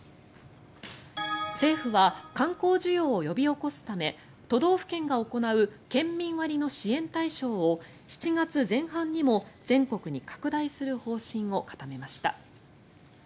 政府は観光需要を呼び起こすため都道府県が行う県民割の支援対象を７月前半にも全国に拡大する方針を固めました。